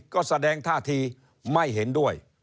ก็แสดงท่าทีไม่เห็นด้วย